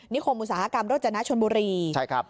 คมอุตสาหกรรมโรจนะชนบุรีใช่ครับ